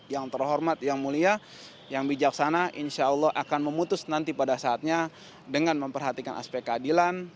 yang terhormat yang mulia yang bijaksana insya allah akan memutus nanti pada saatnya dengan memperhatikan aspek keadilan